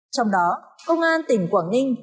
trong đó công an tỉnh quảng ninh